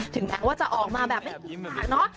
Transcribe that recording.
ถึงแปลว่าจะออกมาแบบไม่คุกหลักเนอะ